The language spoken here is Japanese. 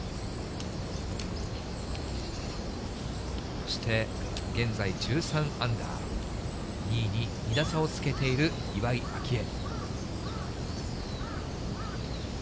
そして現在１３アンダー、２位に２打差をつけている岩井明愛。